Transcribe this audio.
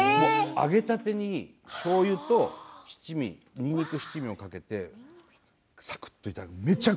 揚げたてにしょうゆと、にんにくの七味をかけて、さくっといただく。